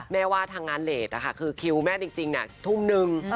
แม่ว่าทางงานเรทนะคะคือคิวแม่จริงน่ะทุ่มหนึ่ง